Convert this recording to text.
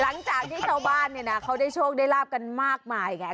หลังจากที่ชาวบ้านเนี่ยนะเขาได้โชคได้ลาบกันมากมายไง